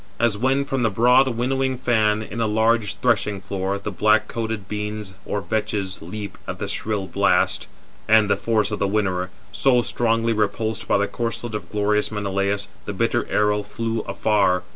As when from the broad winnowing fan in a large threshing floor, the black coated beans or vetches leap at the shrill blast, and the force of the winnower; so, strongly repulsed by the corslet of glorious Menelaus, the bitter arrow flew afar.